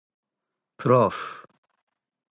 Proof.